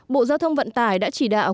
bộ giao thông vận tải đã chỉ đạo